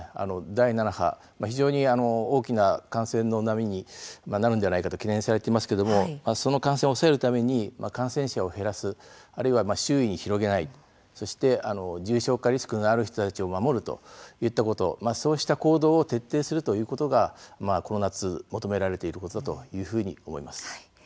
第７波、非常に大きな感染の波になるのではないかと懸念されていますけれどもその感染を抑えるために感染者を減らす、あるいは周囲に広げないそして、重症化リスクのある人たちを守るといったことそうした行動を徹底するということがこの夏、求められていることだというふうに思います。